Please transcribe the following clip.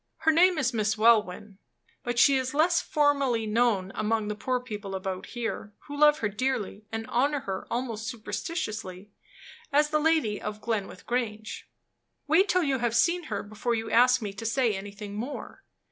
Her name is Miss Welwyn; but she is less formally known an among the poor people about here, who love her dearly, and honor her almost superstitiously, as the Lady of Glenwith Grange. Wait till you have seen her before you ask me to say anything more.